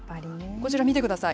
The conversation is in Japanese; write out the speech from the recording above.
こちら見てください。